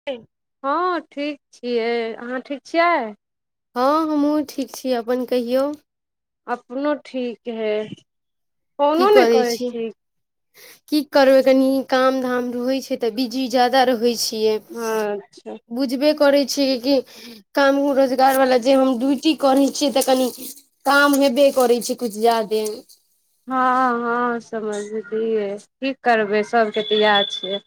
[unintelligible] हँ ठीक छियै अहाँ ठीक छियै हँ हमहूँ ठीक छियै अपन कहियौ। अपनो ठीक है फोनो नहि करै छी की करबै कनि काम धाम रहै छै तऽ बिजी ज्यादा रहै छियै अच्छा बुझबे करै छियै कि काम रोजगार वाला जे हम ड्यूटी करै छियै तऽ कनि काम हेबे करै छै कुछ ज्यादे हँ हँ समझलियै की करबै सबके तऽ इएह छै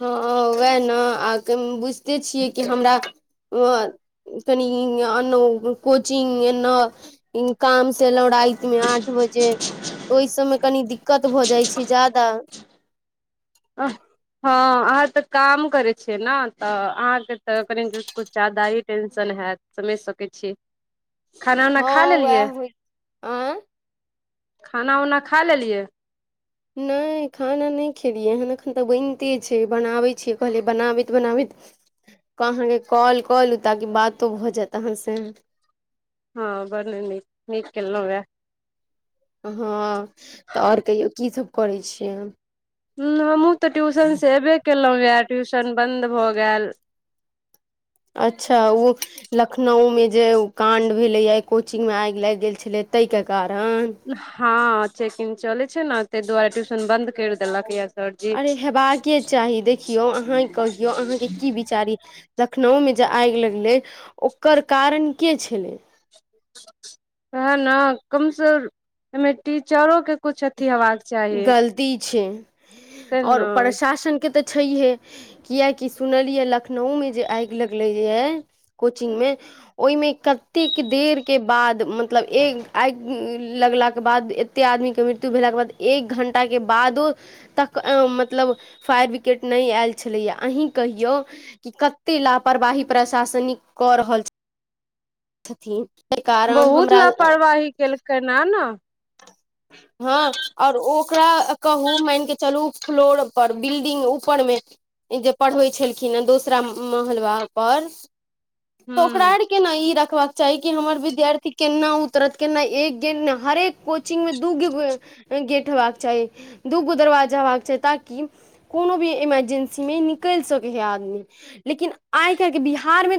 हँ उएह ने आ बुझिते छियै की हमरा आ [unintelligible] नीन कोचिंग एना [unintelligible] काम से एलहुँ राति मे आठ बजे ओहि सभ मे कनी दिक्कत भऽ जाइ छै ज्यादा अह हा अहाँ तऽ काम करै छियै ने तऽ अहाँके तऽ कनि किछु ज्यादा टेंशन हैत समझ सकै छियै खाना उना हँ खा लेलियै वएह होइ आँ खाना उना खा लेलियै नहि खाना नहि खेलियै हैन एखन तऽ बनिते छै बनाबैत छियै कहलियै बनाबैत बनाबैत त अहाँके कॉल कऽ लू ताकि बातो भऽ जायत अहाँसँ हँ बर न नीक नीक केेलो नै हँ तऽ आओर कहियो की सब करै छियै हू हमहूँ तऽ ट्यूशन से एयबे केलौ य ट्यूशन बंन्द भऽ गेल अच्छा ओ लखनऊ मे जे ओ काण्ड भेलैया कोचिंग मे आइग लाग गेल छलै ताहि के कारण हँ चेकिंग चले छै ने ताहि दुआरे ट्यूशन बंद कर देलक या अरे हेबाक चाही देखियौ अहाँ कहियौ आहाँके की विचारी लखनऊ मे जे आगि लगलै ओकर कारण के छलै ओहे ने कम सेमेटी चारो के कछु अचथी हव चाही ति छै ते ओर ने प्रशासन के तऽ छैहे किएकि सुनलियै लखनऊ मे जे आगि लगलैए कोचिंग मे ओहिमे कतेक देर के बाद मतलब एक आगि लगलाके बाद एत्ते आदमी के मृत्यु भेलाके बाद एक घंटा के बादो तक मतलब फायर व्रिकेट नहि आयल छलैए अही कहियौ कि कते लापरवाही प्रशासनिक कऽ रहल छै छथिन कारण बहुत हमरा लापरवाही केलकनि ह ने हँ और ओकरा कहू मान केे चलू फ्लोर पर बिल्डिंग ऊपर मे जे पढ़बै छलखिन हे दोसरा महलबा पर त हूँ ओकराार के न ई रखबाक चाहि कि हमर विद्यार्थी केना उतरत केना एक गे नहि हरेक कोचिंगमे दू गो गेट होबाक चाही दूगो दरवाजा होक चाही ताकि कोनो भी इमरजेंसी मे निकलि सकै है आदमी लेकिन आइ काल्हि के बिहार मे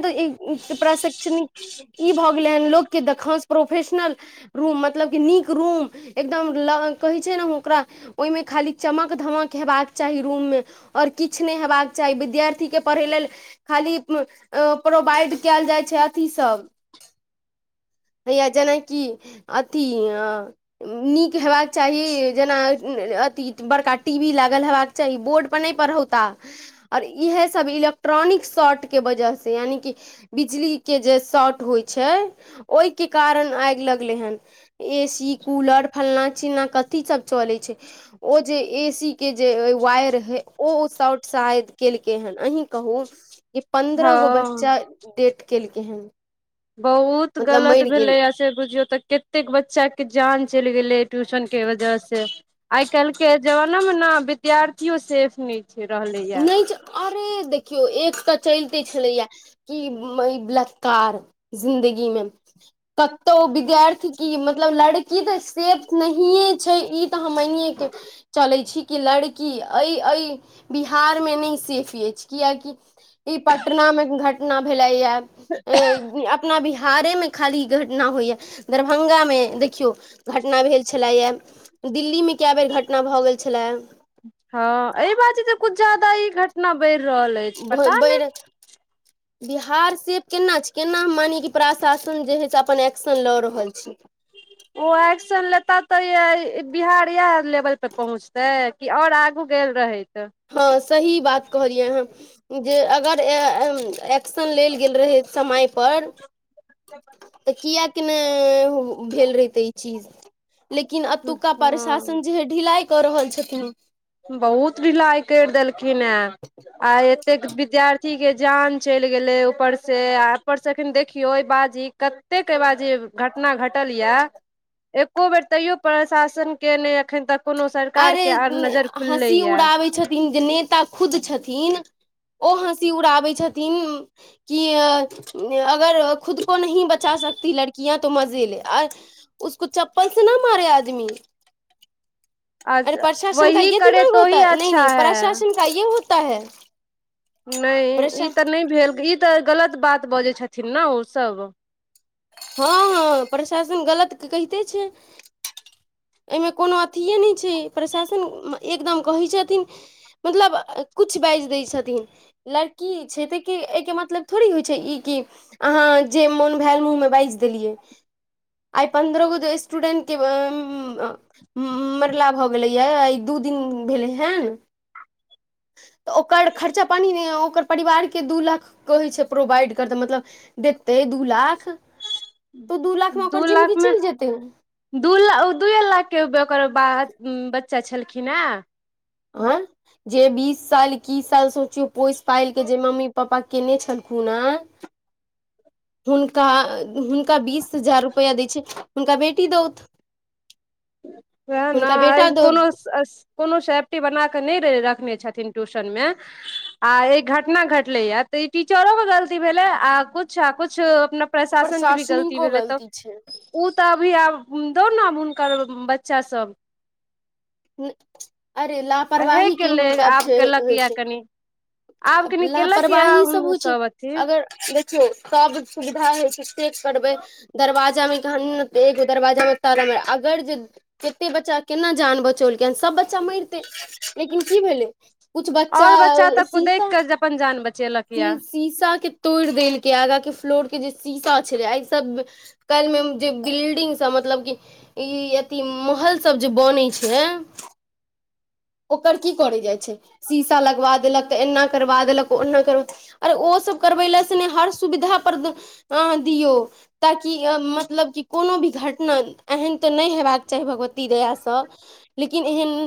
प्रशिक्षणिक ई भऽ गेलै हन लोक के देखा प्रोफेशनल रूम मतलब क नीक रूम एकदम ल कहै छै ने ओकरा ओहिमे खाली चमक धमक हेबाक चाही रूम मे ओर किछु नहि हेबाक चाही विद्यार्थी के पढ़य लेल खाली अ प्रोवाइड कैल जाइ छै अथी सब हैया जेनाकि अथी अ नीक हेबाक चाही जेना अथि बड़का टी वी लागल हेबाकी बोर्ड पर नहि पढ़ौता और इएहे सब इलेक्ट्रॉनिक शॉर्ट के वजह से से यानि बिजली के जे शर्ट होइ छै ओहि के कारण आगि लगलै हन ए सी कूलर फल्ना चिलना कथी सब चलैत छै ओ जे ए सी के जे वायर है ओ शॉट शायद केलकै हेन अहीं कहू जे पन्द्रह गो हँ बच्चा डेट केलकै हेन बहुत गलत भेलैय बुझियौ तऽ कतेक बच्चा के जान चलि गेले ट्यूशन के वजह से आइ कल् के जमाना मे ने विद्यार्थियो सेफ नइ रहले नहि अरे देखियौ एक तऽ चलिते छलैया कि बलातकार जिन्दगी मे कतहु विद्यार्थी की मतलब लड़की तऽ सेफ नहिए छै ई तऽ हमएके चले छी कि लड़की अइ अइ बिहार मे नहि सेफ अछि कियाकि ई पटना मे घटना भेले या अ अपना बिहारे में खाली घटना होइए दरभंगा मे देखियौ घटना भेल छला या दिल्ली मे कए बेर घटना भऽ गेल छलए हँ एहि बाजे जे कुछ ज्यादा ई घटना बढ़ि रहल अछि पता नहि भरि [inaudible] बिहार सेफ केना छै केना हम मानिय कि प्रशासन जे हइ से अपन एक्शन लऽ रहल छै ओ एक्शन लेता तऽ बिहार त इएह लेवल पे पहुँचतै कि ओर आगू गेल रहैत त हँ सही बात कहलियै हँ जे अगर ए - एक्शन लेल गेल रहे समय पर तऽ कियाक ने भेल रहिते ई चीज लेकिन एतुका प्रशासन हँ जे हे ढिलाइ कऽ रहल छथिन बहुत ढिलाइ करि देलखिन ऐअ आइ एतेक विद्यार्थी के जान चलि गेलै ऊपर से आ ऊपर से अखन देखियौ एहि बाजी कत कतेक बाजीब [inaudible] घटना घटल यए एको बेर तैयो प्रशासन के नहि एखन तक कोनो सरकार के अरे आ नजर खुलले हँसी ये उड़ाबै छथिन जे नेता खुद छथिन ओ हँसी उड़ाबै छथिन कि अगर खुद को न बचा सकती लड़किया तऽ मजे ले एअ उसको चप्पल से ना मारे आदमी अच्छा प्रशासन का वही ये करे दिमाग तो ही होता है नहि अच्छा नहि है प्रशासन का ये होता है नहि प्रशा ई तऽ नहि भेल ई तऽ गलत बात बजै छथिन ने ओ सभ हँ हँ प्रशासन गलत कहिते छैय एहिमे कोनो अथिेय नहि छै प्रशासन एकदम कहैत छथिन मतलब कुछ बाजि दै छथिन लड़की छै त एहिके मतलब थोड़ी होइ छै ई कि अहाँ जे मोन भेल मुँह मे बाइज देलिये आई पंद्रह गो जे स्टूदेंट कें ऐं म -मरला भऽ गेलैयए आय दू दिन भेलै हेन तऽ ओकर खर्चा पानि नहि ओकर परिवार के दू लाख कहै छै प्रोवाइड करतैय मतलब देते दू लाख तऽ दू लाख मे ओकर लाख जिन्दगी मे चलि जेतै दू लाख दूए लाख के ओकर ब बच्चा छलखिन हेँ ऑ जे बीस साल एकीस साल सोचियौ पोसि पाइल के जे मम्मी पापा केने छलखिन हन हुनका हुनका बीस हजार रुपैआ दै छै हुनका बेटी दउथ वएह न आइ बेटा दौथ कोनो- स - कोनो सेफ्टी बना कऽ नहि रखने छथिन ट्यूशन मे आ ई घटना घटलै या तऽ ई टीचरो के गलती भेलै आ कछु आ कछु अपना प्रशासनके भी गलती प्रशासनिको भेलै तब छै ओ तऽ अभी आब दौ न हुनकर बच्चासभ अरे लापरवाही के ही ले आब हिसाबसँ केलक होइ या छै कनि आब कनि केलक ये लापरवाही सब हुन होय छै अथी अगर देखियौ सब सुविधा होइ छै से करबै दरवाजा मे इधर देख दरवाजा मे ताला मे अगर जे एते बच्चा केना जान बचौलक सब बच्चा स मैरतेय लेकिन की भेलै कुछ बच्चा कुदेक शीशा कऽ अपन जान बचेलक शी यऽ शीशा के तोड़ि देलक आगा के फ्लोर के जे शीशा छले एहि सब कल मे जे गिल्डिंगसँ मतलब की ई अथि महल सभ जे बनै छै ओकर की करय जाइत छै शीशा लगवा देलक तऽ एना करबा देलक ओना कर आर ओ सभ करबै ल से नहि हर सुविधा पर अ दियौ ताकि मतलब कि कोनो भी घटना एहन तऽ नहि हेबाक चाही भगवती दयासँ लेकिन एहन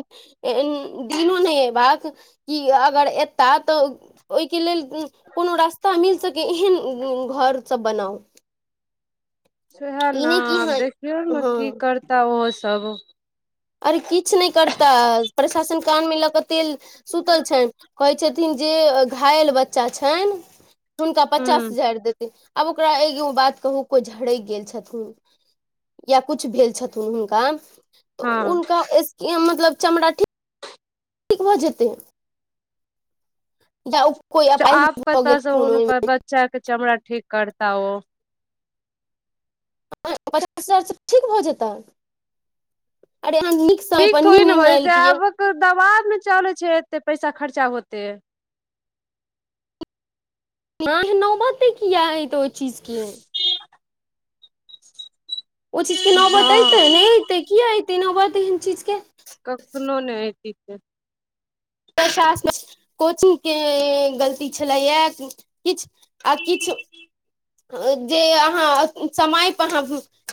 दिनो नहि अयबाक कि अगर एता तऽ ओहिके लेल कोनो रास्ता मिल सकै एहन घरसभ बनाउ सेहे न ई नहि कि आ हँ देखियौ न हँ की करता ओ सब अरे किछु नहि करता प्रशासन कान मे लऽ कऽ तेल सुतल छनि कहै छथिन जे घायल बच्चा छनि हुनका पचास हूँ हजार देतै आब ओकरा एगो बात कहू कोय झरैक गेल छथुन या कुछ भेल छथुन हुनका तऽ हँ हुनका मतलब चमराठी ठीक भऽ जेतै द उ आप पता बच्चाक के चमड़ा ठीक करता ओ पच ठीक भऽ जेतै अरे समय ठीक पर नीक थोड़े ने हो जाय निर्णय छै लेतियै आबक दवाबमे चलै छै एते पैसा खर्चा होते न नौबते किया हयत ओहि चीजके ओ चीजके नौबत अयतै हँ नहि अतै किए अतै नौबत एहन चीजके कखनो ने हयती से [unintelligible] कोचिंग के गलती छलैया किछ आ किछ जे अहाँ समयप अहाँ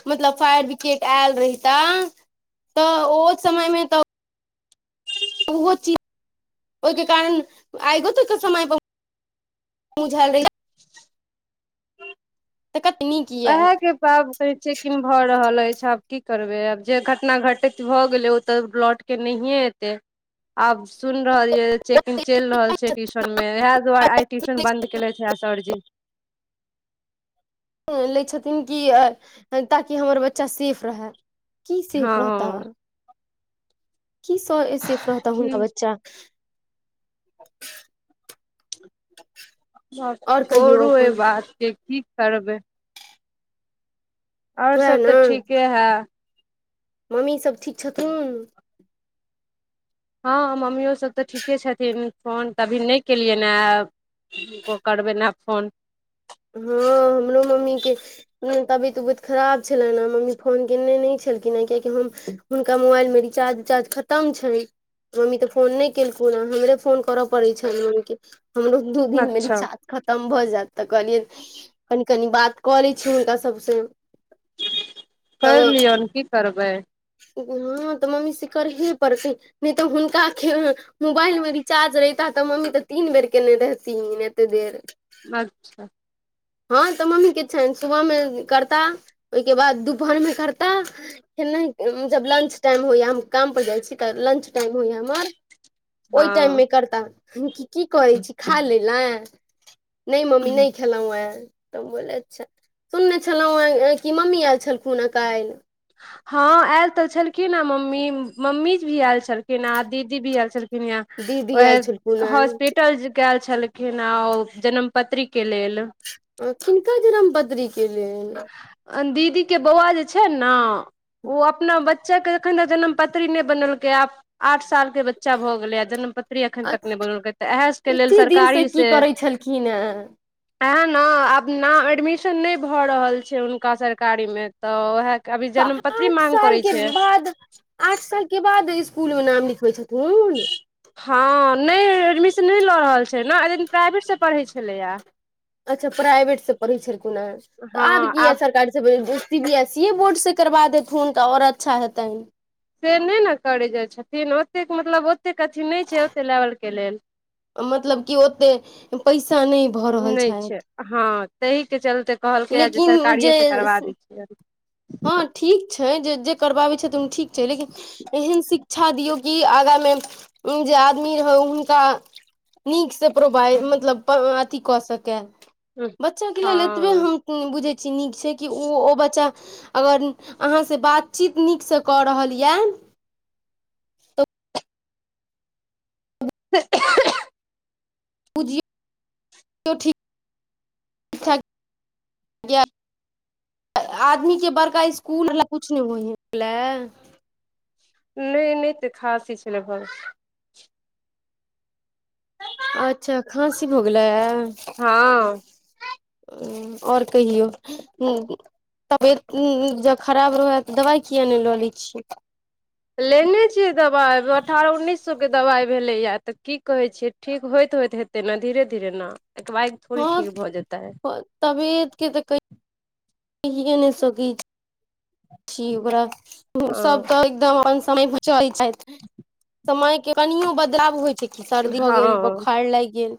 मतलब फायर बिकेट आयल रहिता तऽ ओ समय मे तऽ [unintelligible] ओहिके कारण आयगो समय पर मुझैल रहे तऽ कत नीक यऽ आ कहै छै कि भऽ रहल अछि आब की करबे आब जे घटना घटित भए गेले ओ तऽ बट के नहिए एतै आब सुन रहल ये चेकिंग चलि रहल छै ट्यूशन में इएह दुआरे आ ट्यूशन बंद केेलथि हे सरजी लै छथिन कि ताकि हमर बच्चा सेफ रहै की सेफ रहता हँ की स सेफ रहता हुनका ठीक बच्चा ब आओर कहियौ छोड़ू एहि अपन बात के की करबै आओर वएह सब तऽ ठीके हे मम्मीसभ ठीक छथुन हँ मम्मियो सब तऽ ठीके छथिन फोन तऽ अभी नहि केलियैन ए हुनको करबनि आब फोन हँ हमरो मम्मी के नहि तबियत उबियत खराब छलनि ह‌एं मम्मी फोन केने नहि छलखिन ह‌एं कियाकि हम हुनका मोबाइलमे रिचार्ज उचार्ज खत्म छनि मम्मी तऽ फोन नहि केलखुन हँ हमरे फोन करय पड़ैत छनि मम्मीके हमरो दू दिन मे अच्छा रिचार्ज खत्म भऽ जैत त कहलियै कनि कनि बात कऽ लै छियै हुनका सबसँ करि लियौन की करबै हँ तऽ मम्मी से करहे पड़तै नहि तऽ हुनका ख मोबाइल मे रिचार्ज रहिता तऽ मम्मी तऽ तीन बेर केने रहथिन एते देर अच्छा हँ तऽ मम्मी के छनि सुबहमे करता ओहिके बाद दुपहरमे करता फेन नहि जब लंच टाइम होइए हम काम पर जाइ छी तऽ लंच टाइम होइया हमर ओहि टाइम हँ मे करता हम की करै छी खा लै ला नहि मम्मी नहि खेलव ह तब बोले अच्छा सुनने छलहु कि मम्मी आयल छलखुनह काल्हि। हँ आयल तऽ छलखिन हे मम्मी मम्मी भी आयल छलखि छिन ह आ दीदी भी आयल छलखिन ह दीदी आयल छलखुन वैह हेँ हॉस्पिटल गैल छलख खिन ह आ ओ जनम पत्रीके लेल। आ किनका जनम पत्री के लेल? आ दीदी के बौआ जे छैन ने ओ अपना बच्चा के एखन तऽ जन्म पत्री नहि बनेलकै आब आठ साल के बच्चा भऽ गेलै आ जन्म पति री एखन तक नहि बनलकै तऽ इएह सभके लेल अथी दिन सरकारी की से करै छलखिन हेँ एहै ने आब न एडमिशन नहि भऽ रहल छैय हुनका सरकारी में। तऽ उएह अभी तऽ जन्म पत्री आठ मांग साल करै के छैय। बाद आठ साल के बाद स्कूल मे नाम लिखबै छथुन। हँ नहि एडमिशन नहि लऽ रहल छैय ने अ [unintelligible] प्राइवेटसँ पढ़ैत छलैया। अच्छा प्राइवेट से पढ़ै छलखिन यै तऽ आब कीया सरकारी सी बी एस ई ए बोर्ड से करबा देथुन तऽ आओर अच्छा हेतनि। से नहि ने करै जाय छथिन ओतेक मतलब ओतेक अथी नहि छैय ओतेक लेवल के लेल। मतलब की ओते पैसा नहि भ रहल छैय। छैय हँ ताहि के चलते कहलकैए जे लेकिन जे सरकारिएसे करवा दै छियै। हँ ठीक छैय जे जे करबाबैत छथिन ठीक छैय लेकिन एहन शिक्षा शिक्षा दियौ कि आगाँमे जे आदमी हौ हुनका नीकसँ प्रोवाइड मतलब अथी कऽ सकै बच्चाके लेल एतबे हँ हम बुझै छियै नीक छैय कि ओ ओ बच्चा अगर अहाँसँ बातचीत नीकसँ कऽ रहल या [inaudible] बुझियौ ठीक या आदमीके बड़का इसकुलला किछु नहि [unintelligible] नहि नहि तऽ खासि छलै न भ अच्छा खाँसी भ गेलै। हँ आओर कहियौ हु तबियत जब खराब रहै तऽ दबाइ किया नहि लऽ लै छियै। लेने छियै दबाइ अठारह उन्नैस सौ के दबाइ भेलैए तऽ की कहैत छियै। ठीक होइत होइत हेतै न धीरे धीरे ने [unintelligible] हँ भऽ जेतै तबियत के तऽ कहिए नहि सकैत छी [unintelligible] ओकरा सब हँ तऽ एकदम समय चलै छथि समय के कनियो बदलाव होइ छैय कि सर्दी हो गेल हँ बोखार लागि गेल।